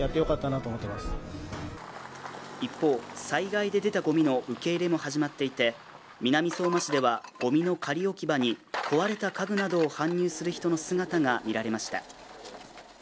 災害で出たごみの受け入れも始まっていて南相馬市ではごみの仮置き場に壊れた家具などを搬入する人の姿が見られました